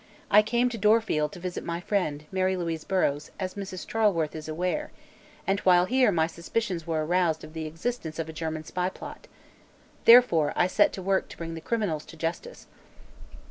I came to Dorfield to visit my friend, Mary Louise Burrows, as Mrs. Charleworth is aware, and while here my suspicions were aroused of the existence of a German spy plot. Therefore I set to work to bring the criminals to justice."